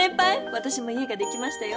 わたしも「家」ができましたよ。